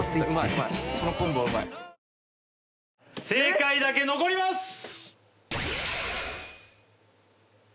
正解だけ残ります！